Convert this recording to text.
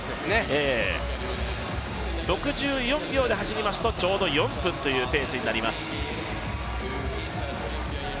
６４秒ぐらいで走りますと、ちょうど４分というペースになります。